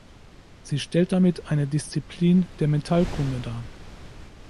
Sie stellt damit eine Disziplin der Metallkunde dar.